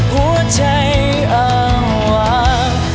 หัวใจอ้างวาง